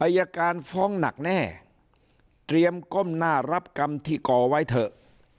อายการฟ้องหนักแน่เตรียมก้มหน้ารับกรรมที่ก่อไว้เถอะ